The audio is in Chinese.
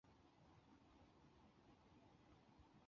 创办人将分享